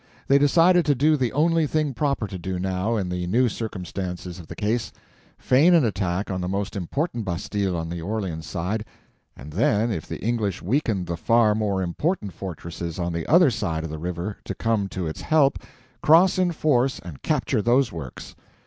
They decided to do the only thing proper to do now in the new circumstances of the case—feign an attack on the most important bastille on the Orleans side, and then, if the English weakened the far more important fortresses on the other side of the river to come to its help, cross in force and capture those works.